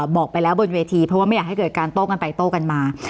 บอกไปแล้วบนเวทีเพราะว่าไม่อยากให้เกิดการโต้กันไปโต้กันมา